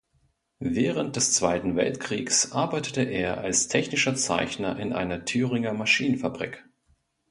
Während des Zweiten Weltkriegs arbeitete er als technischer Zeichner in einer Thüringer Maschinenfabrik.